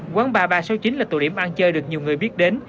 quán ba ba trăm sáu mươi chín là tụi điểm ăn chơi được nhiều người biết đến